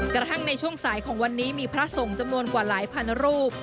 กระทั่งในช่วงสายของวันนี้มีพระสงฆ์จำนวนกว่าหลายพันรูป